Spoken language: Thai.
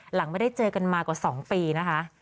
หลังไม่ได้เจอกันมากว่า๒ปีนะคะ